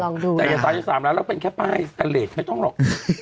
ลองดูนะแต่อย่างตอนที่๓แล้วแล้วเป็นแค่ป้ายสกัลเลสไม่ต้องหรอก